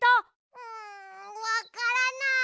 うんわからない。